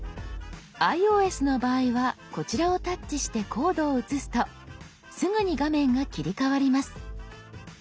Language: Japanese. ｉＯＳの場合はこちらをタッチしてコードを写すとすぐに画面が切り替わります。